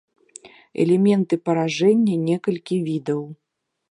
Элементы паражэння некалькі відаў.